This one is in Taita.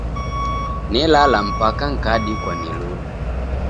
Nelala ku mpaka ngadikwa ni luda.